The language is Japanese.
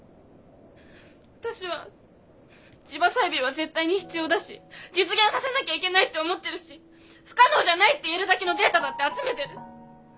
私は地場採苗は絶対に必要だし実現させなぎゃいけないって思ってるし不可能じゃないって言えるだけのデータだって集めてる。